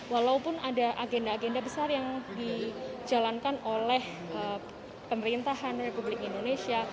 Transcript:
walaupun ada agenda agenda besar yang dijalankan oleh pemerintahan republik indonesia